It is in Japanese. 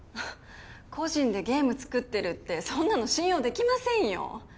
個人でゲーム作ってるってそんなの信用できませんよ